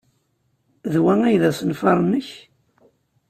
D wa ay d asenfar-nnek?